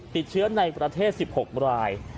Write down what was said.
ติดเชื้อในประเทศ๑๖ราย